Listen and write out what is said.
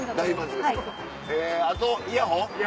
あとイヤホン？